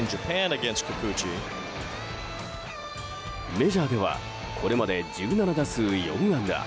メジャーではこれまで１７打数４安打。